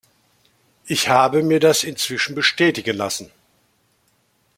Ich habe mir das inzwischen bestätigen lassen.